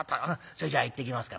それじゃ行ってきますから。